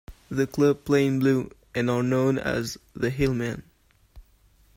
The club play in blue, and are known as "the Hillmen".